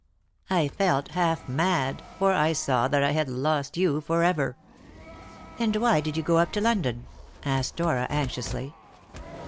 I felt half mad, for I saw that I had lost you for ever." "And why did you go up to London?" asked Dora anxiously.